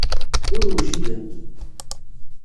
Ur wjident.